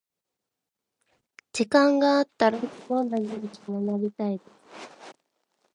時間があったら学びたいです